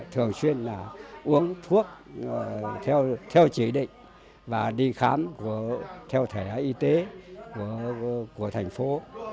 thường xuyên là uống thuốc theo chỉ định và đi khám theo thẻ y tế của thành phố